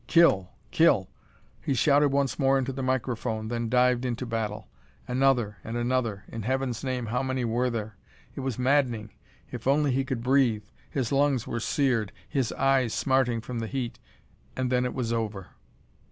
Kill! Kill! He shouted once more into the microphone, then dived into battle. Another and another! In Heaven's name, how many were there? It was maddening. If only he could breathe. His lungs were seared; his eyes smarting from the heat. And then it was over.